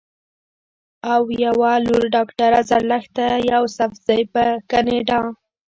او يوه لورډاکټره زرلښته يوسفزۍ پۀ کنېډا